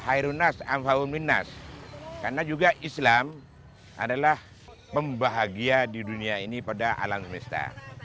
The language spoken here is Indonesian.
karena juga islam adalah pembahagia di dunia ini pada alam semesta